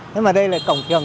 nhưng mà đây là cổng trường